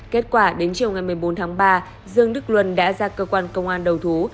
kết quả đến chiều ngày một mươi bốn tháng ba dương đức luân đã ra cơ quan công an đầu thú